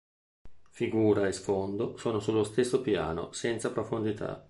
Figura e sfondo sono sullo stesso piano, senza profondità.